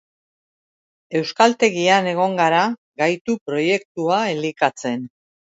Euskaltegian egon gara Gaitu proiektua elikatzen.